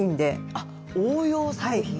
あっ応用作品。